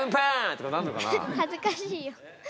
恥ずかしいよ。